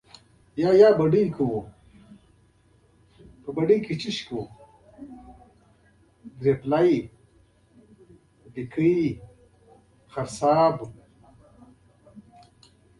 د ښوونې پیل کورنۍ کې کېږي.